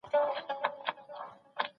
ولي د اوبو ډیپلوماسي ډېره حیاتي ده؟